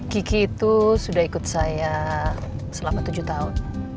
kiki itu sudah ikut saya selama tujuh tahun